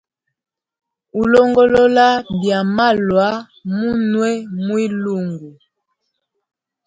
Ulongolola byamalwa munwe mwilungu.